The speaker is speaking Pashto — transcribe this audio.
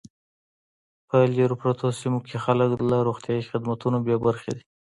په لري پرتو سیمو کې خلک له روغتیايي خدمتونو بې برخې دي